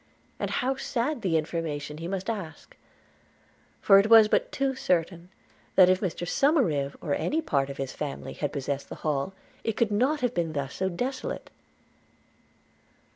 and how sad the information he must ask! for it was but too certain that, if Mr Somerive, or any part of his family, had possessed the Hall, it could not have been thus desolate.